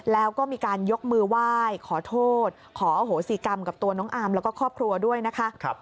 แล้วก็มีการยกมือไหว้ขอโทษขออโหสิกรรมกับตัวน้องอาร์มแล้วก็ครอบครัวด้วยนะคะ